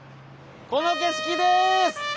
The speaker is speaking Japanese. この景色です！